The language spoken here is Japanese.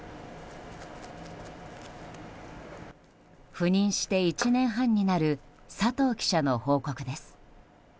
赴任して１年半になる佐藤記者の報告です。